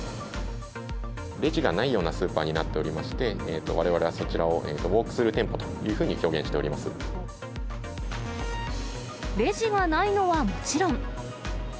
レジがないようなスーパーになっておりまして、われわれはそちらをウォークスルー店舗というふうに表現しておりレジはないのはもちろん。